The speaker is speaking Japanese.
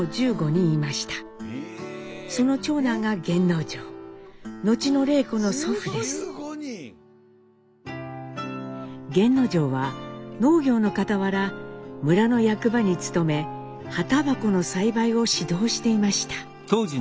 １５人⁉源之丞は農業のかたわら村の役場に勤め葉たばこの栽培を指導していました。